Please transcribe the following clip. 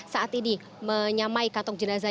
saat ini menyamai kantong jenazah